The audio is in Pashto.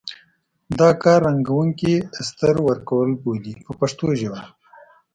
دا کار رنګوونکي استر ورکول بولي په پښتو ژبه.